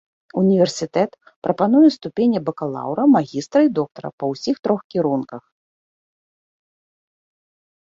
Універсітэт прапануе ступені бакалаўра, магістра і доктара па ўсіх трох кірунках.